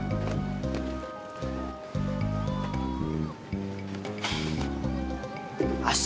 masih di sini